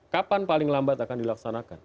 kapan paling lambat akan dilaksanakan